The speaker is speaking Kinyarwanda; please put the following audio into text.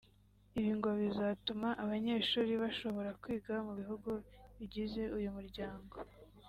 Ibi ngo bizatuma abanyeshuri bashobora kwiga mu bihugu bigize uyu muryango